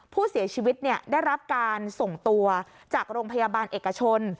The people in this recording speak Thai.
ผู้เสียชีวิตได้รับการส่งตัวจากโรงพยาบาลเอกชน